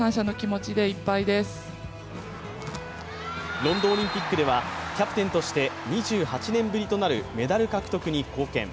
ロンドンオリンピックではキャプテンとして２８年ぶりとなるメダル獲得に貢献。